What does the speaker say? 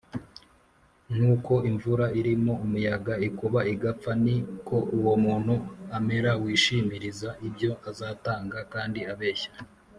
nk’uko imvura irimo umuyaga ikuba igapfa, ni ko uwo muntu amera wishimiriza ibyo azatanga kandi abeshya